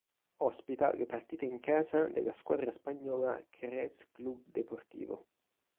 Ospita le partite in casa della squadra spagnola Xerez Club Deportivo.